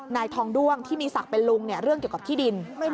นายทองด้วงที่มีศักดิ์เป็นลุงเรื่องเกี่ยวกับที่ดิน